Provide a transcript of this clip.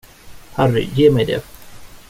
Harry, ge mig det!